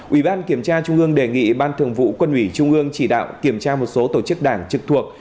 ủy ban kiểm tra trung ương đề nghị ban thường vụ quân ủy trung ương chỉ đạo kiểm tra một số tổ chức đảng trực thuộc